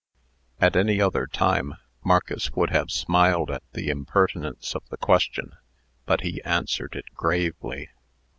At any other time, Marcus would have smiled at the impertinence of the question, but he answered it gravely.